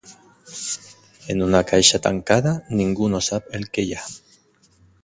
En una caixa tancada ningú no sap el que hi ha.